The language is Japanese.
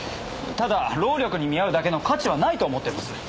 ただ労力に見合うだけの価値はないと思ってます。